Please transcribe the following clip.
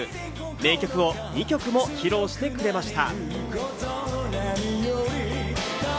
名曲を２曲も披露してくれました。